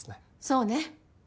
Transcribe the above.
そうね。